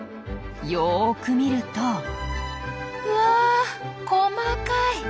よく見るとうわ細かい！